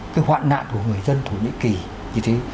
cái hoạn nạn của người dân thổ nhĩ kỳ như thế